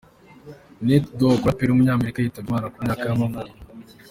Nate Dogg, umuraperi w’umunyamerika yitabye Imana, ku myaka y’amavuko.